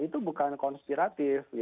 itu bukan konspiratif